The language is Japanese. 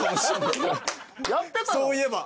そういえば。